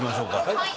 はい。